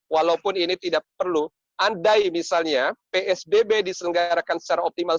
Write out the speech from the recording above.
walaupun ini tidak perlu andai misalnya psbb diselenggarakan secara optimal